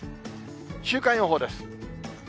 週間予報です。